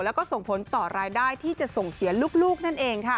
แล้วก็ส่งผลต่อรายได้ที่จะส่งเสียลูกนั่นเองค่ะ